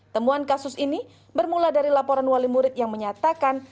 temuan kasus ini bermula dari laporan wali murid yang menyatakan